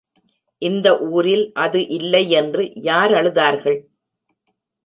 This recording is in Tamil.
இந்த ஊரில் அது இல்லையென்று யார் அழுதார்கள்?